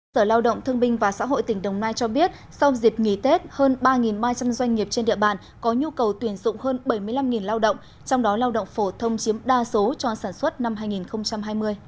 sở lao động thương binh và xã hội tỉnh đồng nai cho biết sau dịp nghỉ tết hơn ba ba trăm linh doanh nghiệp trên địa bàn có nhu cầu tuyển dụng hơn bảy mươi năm lao động trong đó lao động phổ thông chiếm đa số cho sản xuất năm hai nghìn hai mươi